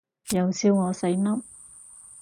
又笑我細粒